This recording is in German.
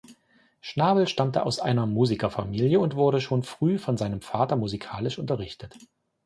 Schnabel stammte aus einer Musikerfamilie und wurde schon früh von seinem Vater musikalisch unterrichtet.